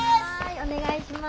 お願いします。